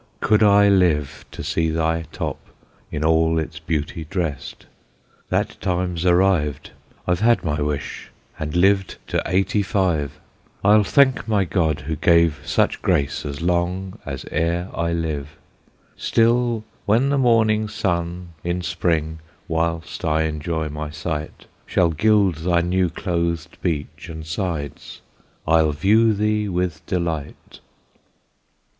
could I live to see thy top In all its beauty dress'd. That time's arrived; I've had my wish, And lived to eighty five; I'll thank my God who gave such grace As long as e'er I live. Still when the morning Sun in Spring, Whilst I enjoy my sight, Shall gild thy new clothed Beech and sides, I'll view thee with delight.